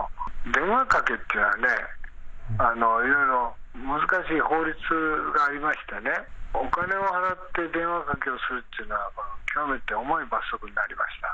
電話かけっていうのはね、いろいろ難しい法律がありましてね、お金を払って電話かけをするっていうのは極めて重い罰則になりました。